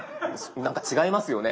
なんか違いますよね。